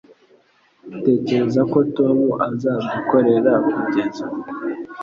Utekereza ko Tom azadukorera kugeza